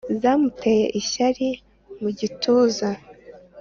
zamuteye ishya mu gituza